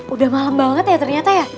udah malam banget ya ternyata ya